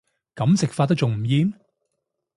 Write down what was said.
噉食法都仲唔厭